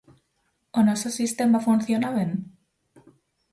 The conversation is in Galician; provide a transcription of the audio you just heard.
¿O noso sistema funciona ben?